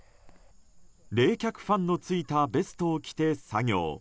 冷却ファンのついたベストを着て作業。